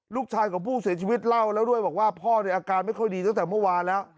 ลูกชายของผู้เสียชีวิตเล่าแล้วด้วยบอกว่าพ่อในอาการไม่ค่อยดีตั้งแต่เมื่อวานแล้ว